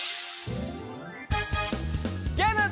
ゲーム。